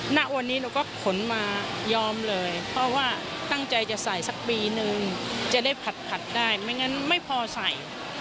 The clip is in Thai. ณวันนี้หนูก็ขนมายอมเลยเพราะว่าตั้งใจจะใส่สักปีนึงจะได้ผัดได้ไม่งั้นไม่พอใส่